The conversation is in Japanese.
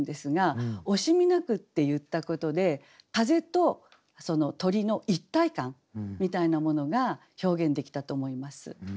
「惜しみなく」って言ったことで風と鳥の一体感みたいなものが表現できたと思います。